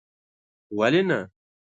ولي نه